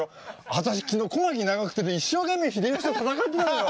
私昨日小牧・長久手で一生懸命秀吉と戦ってたのよ。